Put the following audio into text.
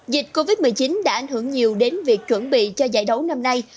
dịch covid một mươi chín đã ảnh hưởng nhiều đến việc chuẩn bị cho giải đấu năm nay